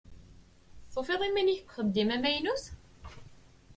Tufiḍ iman-ik deg uxeddim amaynut?